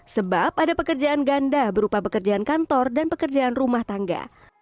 sebab ada pekerjaan ganda berupa pekerjaan kantor dan pekerjaan rumah tangga